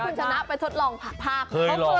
คุณชนะไปทดลองภาค